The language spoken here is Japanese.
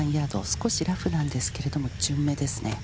少しラフなんですけれども、順目ですね。